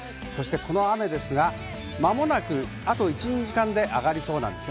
そして、この雨ですが、まもなく、あと１２時間で上がりそうなんですね。